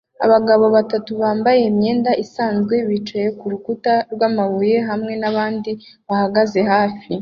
Abagabo batatu bambaye imyenda isanzwe bicaye kurukuta rwamabuye hamwe nabandi bahagaze hafi